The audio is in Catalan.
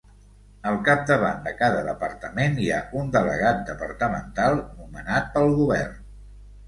Al capdavant de cada departament hi ha un delegat departamental, nomenat pel govern.